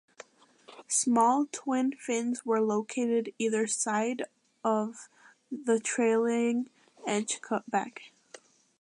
Small twin fins were located either side of the trailing edge cutback.